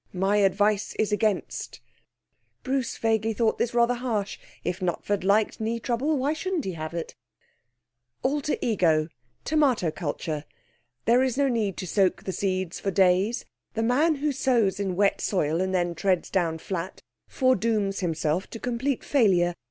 My advice is against.' (Bruce vaguely thought this rather harsh. If Knutford liked knee trouble, why shouldn't he have it?) 'Alter Ego (Tomato culture). There's no need to soak the seeds for days. The man who sows in wet soil and then treads down flat foredooms himself to complete failure.